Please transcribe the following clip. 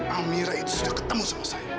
amira itu sudah ketemu sama saya